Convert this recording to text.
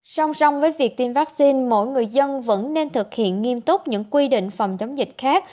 song song với việc tiêm vaccine mỗi người dân vẫn nên thực hiện nghiêm túc những quy định phòng chống dịch khác